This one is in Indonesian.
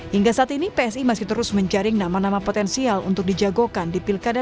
hingga saat ini psi masih terus menjaring nama nama potensial untuk dijagokan di pilkada dua ribu dua puluh empat